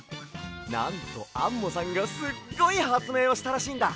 なんとアンモさんがすっごいはつめいをしたらしいんだ。